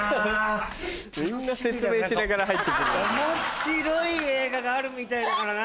面白い映画があるみたいだからな。